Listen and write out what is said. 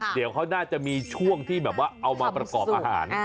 เดี๋ยวเขาน่าจะมีช่วงที่แบบว่าเอามาประกอบอาหาร